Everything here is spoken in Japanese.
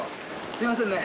すいませんね。